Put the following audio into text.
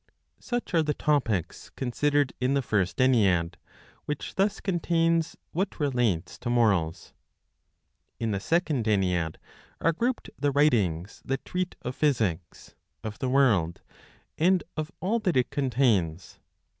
Such are the topics considered in the First Ennead; which thus contains what relates to morals. In the Second Ennead are grouped the writings that treat of Physics, of the World, and of all that it contains.